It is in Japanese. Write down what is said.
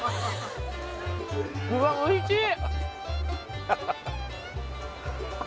うわっおいしい